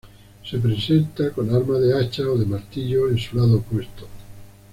Se presenta con arma de hacha o de martillo en su lado opuesto.